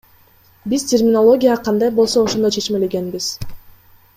Биз терминология кандай болсо ошондой чечмелегенбиз.